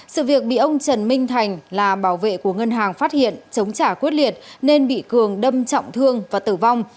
sự việc bị ông trần minh thành là bảo vệ của ngân hàng phát hiện chống trả quyết liệt nên bị cường đâm trọng thương và tử vong